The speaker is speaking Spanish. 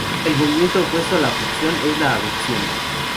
El movimiento opuesto a la abducción es la aducción.